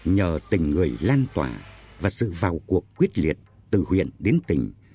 nhờ tình người lan tỏa và sự vào cuộc quyết liệt từ huyện đến tỉnh